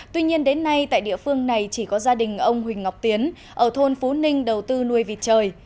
tuy nhiên đến nay tại địa phương này chỉ có gia đình ông huỳnh ngọc tiến ở thôn phú ninh đầu tư nuôi vịt trời